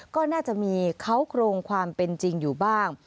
ก็น่าจะมีเขาโครงความเป็นจริงอยู่บ้าง